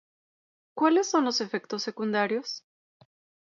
¿Cuáles son los efectos secundarios?